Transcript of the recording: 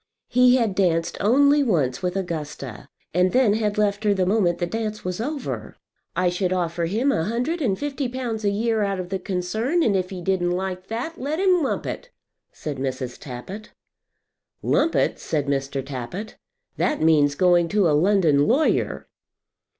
He had danced only once with Augusta, and then had left her the moment the dance was over. "I should offer him a hundred and fifty pounds a year out of the concern, and if he didn't like that let him lump it," said Mrs. Tappitt. "Lump it!" said Mr. Tappitt. "That means going to a London lawyer."